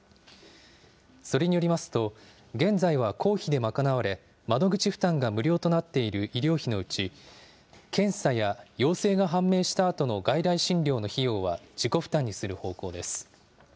それによりますと、現在は公費で賄われ、窓口負担が無料となっている医療費のうち、検査や陽性の判明したあとの外来診療の費用は自己負担にする方向です。